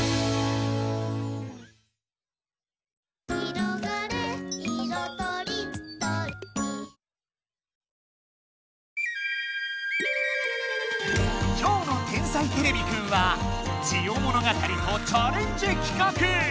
ということで今日の「天才てれびくん」は「ジオ物語」とチャレンジきかく！